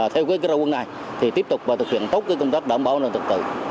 theo ra quân này thì tiếp tục và thực hiện tốt công tác đảm bảo an ninh trật tự